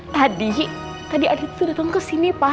tadi tadi adi datang ke sini pa